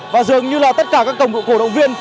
và dường như là tất cả các cổ động viên